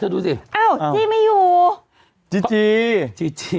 เธอดูซิเอ้าจี้ไม่อยู่จีจีจีจีจี